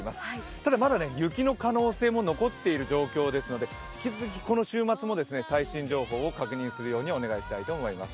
ただまだ雪の可能性も残っている状況ですので引き続き、この週末も最新情報を確認するようにお願いしたいと思います。